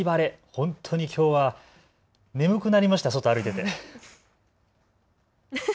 本当にきょうは眠くなりました、外を歩いていて。